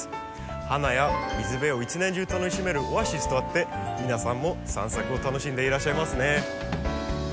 花や水辺を一年中楽しめるオアシスとあって皆さんも散策を楽しんでいらっしゃいますね。